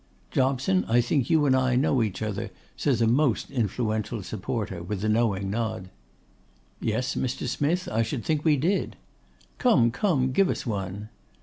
'Jobson, I think you and I know each other,' says a most influential supporter, with a knowing nod. 'Yes, Mr. Smith, I should think we did.' 'Come, come, give us one.